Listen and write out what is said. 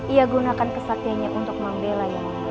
ia gunakan kesatyanya untuk membelanya